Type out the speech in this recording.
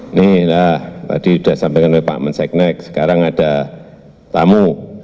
ini lah tadi sudah sampaikan oleh pak monseknek sekarang ada tamu